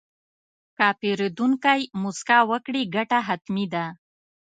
که پیرودونکی موسکا وکړي، ګټه حتمي ده.